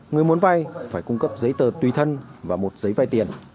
người muốn vay phải cung cấp giấy tờ tùy thân và một giấy vay tiền